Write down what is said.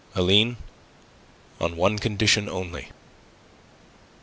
"Aline, on one condition only."